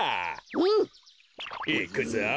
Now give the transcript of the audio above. うん！いくぞ！